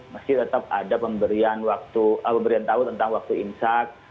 masjid tetap ada pemberian tahu tentang waktu insyak